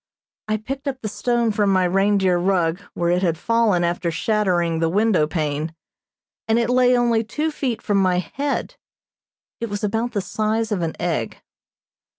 I picked up the stone from my reindeer rug, where it had fallen after shattering the window pane, and it lay only two feet from my head. It was about the size of an egg.